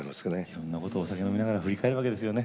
いろんなことをお酒飲みながら振り返るわけですよね。